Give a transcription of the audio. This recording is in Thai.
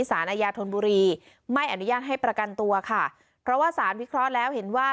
สารอาญาธนบุรีไม่อนุญาตให้ประกันตัวค่ะเพราะว่าสารพิเคราะห์แล้วเห็นว่า